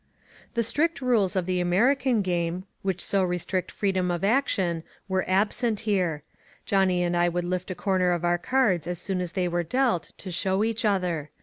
The strict rules of the American game, idiich so re strict freedom of action, were absent here. Johnny and I would lift a comer of oar cards as soon as they were dealt, to show each other.